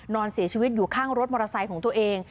นอนเสียชีวิตอยู่ข้างรถมอเตอร์ไซค์ของตัวเอง